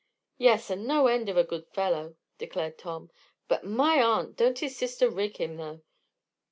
"Yes. And no end of a good fellow," declared Tom. "But, my aunt! don't his sister rig him, though?